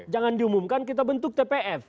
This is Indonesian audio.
jangan diumumkan kita bentuk tpf